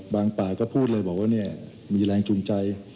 บางต่างก็พูดเลยบอกเนี่ยมีแรงจูงใจ